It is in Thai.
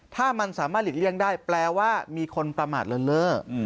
ถ้ามันสามารถหลีกเลี่ยงได้แปลว่ามีคนประมาทเลินเล่อ